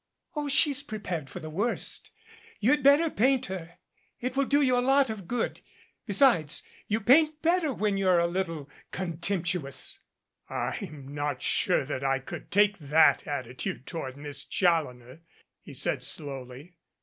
"Oh, she's prepared for the worst. You had better paint her. It will do you a lot of good. Besides, you paint better when you're a little contemptuous." "I'm not sure that I could take that attitude toward Miss Challoner," he said slowly.